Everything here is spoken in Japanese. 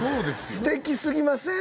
素敵すぎません？